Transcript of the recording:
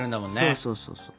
そうそうそうそう。